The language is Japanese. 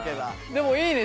でもいいね